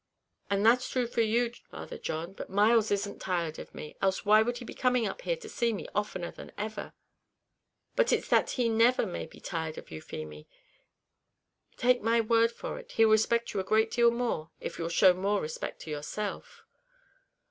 "And that's thrue for you, Father John; but Myles isn't tired of me, else why should he be coming up here to see me oftener than ever?" "But it's that he never may be tired of you, Feemy; take my word for it, he'll respect you a great deal more if you'll show more respect to yourself."